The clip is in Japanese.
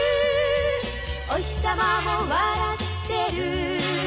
「おひさまも笑ってる」